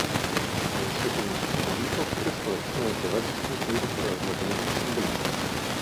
En su juventud publicó tres colecciones de versos influido por el movimiento Simbolista.